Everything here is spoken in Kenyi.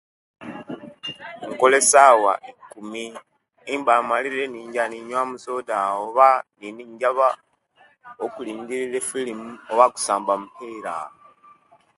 Ndola esawa ikumi imba imalire injaba nenyuwa mu soda awo oba injaba okulingirira efilimu oba kusamba mupira